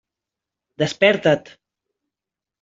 Desperta't!